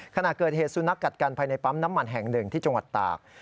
ขณะเกิดเหตุสุนัขกัดกันภายในปั๊มน้ำมันแห่งหนึ่งที่จังหวัดตาก